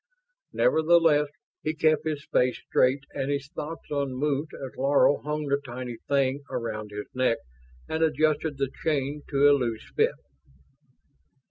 Nevertheless, he kept his face straight and his thoughts unmoved as Laro hung the tiny thing around his neck and adjusted the chain to a loose fit.